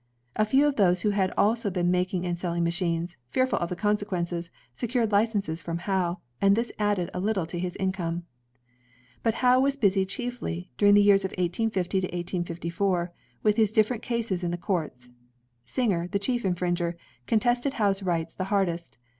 A few of those who had also been making and selling machines, fearful of the consequences, secured licenses from Howe, and this added a little to his income. But Howe was busy chiefly, during the years 1850 1854, with his different cases in the courts. Singer, the chief infringer, contested Howe's rights the hardest.